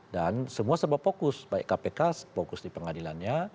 dan semua sempat fokus baik kpk fokus di pengadilannya